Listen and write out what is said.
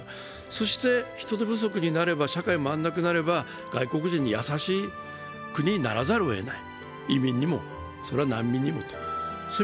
そして人手不足になれば社会が回らなくなれば外国人に優しい国にならざるをえない。